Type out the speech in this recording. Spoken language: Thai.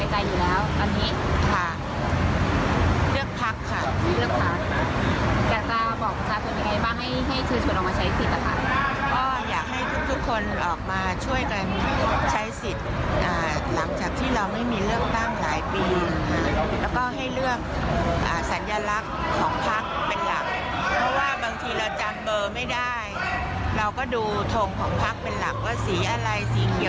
ของพักเป็นหลักเพราะว่าบางทีเราจำเบอร์ไม่ได้เราก็ดูธงของพักเป็นหลักว่าสีอะไรสีเขียวสีแดงอะไร